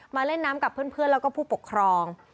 เล่นน้ำกับเพื่อนแล้วก็ผู้ปกครอง